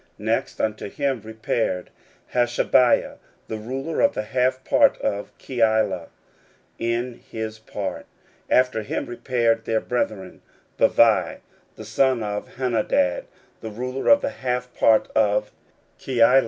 Next unto him repaired Hashabiah, the ruler of the half part of Keilah, in his part. 16:003:018 After him repaired their brethren, Bavai the son of Henadad, the ruler of the half part of Keilah.